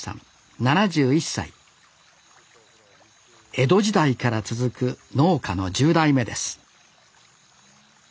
江戸時代から続く農家の１０代目です